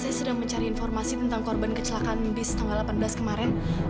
saya sedang mencari informasi tentang korban kecelakaan bus tanggal delapan belas kemarin